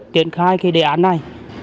tiến khai cái đề án này